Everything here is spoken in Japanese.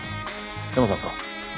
ヤマさんか？